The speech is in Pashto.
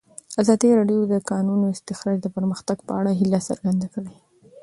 ازادي راډیو د د کانونو استخراج د پرمختګ په اړه هیله څرګنده کړې.